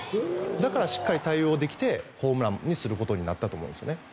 だからしっかり対応できてホームランにすることができたと思いますね。